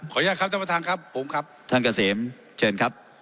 อนุญาตครับท่านประธานครับผมครับท่านเกษมเชิญครับ